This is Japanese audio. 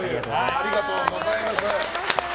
ありがとうございます。